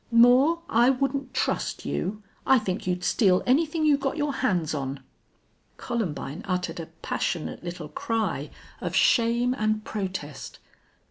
"Moore, I wouldn't trust you. I think you'd steal anything you got your hands on." Columbine uttered a passionate little cry of shame and protest.